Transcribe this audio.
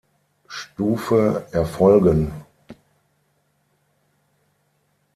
Stufe erfolgen.